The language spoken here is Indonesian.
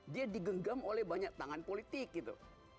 dia digenggam oleh banyak tangan politik gitu